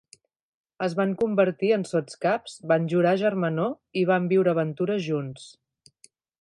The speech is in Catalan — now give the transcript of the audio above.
Es van convertir en sotscaps, van jurar germanor i van viure aventures junts.